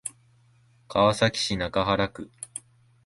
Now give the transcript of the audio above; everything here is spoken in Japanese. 川崎市中原区